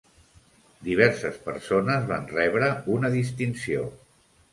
Diverses persones van rebre una distinció.